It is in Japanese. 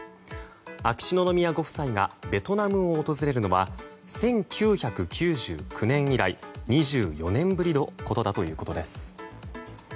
秋篠宮ご夫妻がベトナムを訪れるのは１９９９年以来２４年ぶりのことだということです。